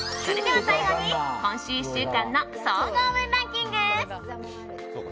それでは最後に今週１週間の総合運ランキング。